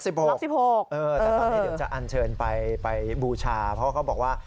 แต่ตอนนี้เดี๋ยวจะอันเชิญไปบูชาเพราะเขาบอกว่า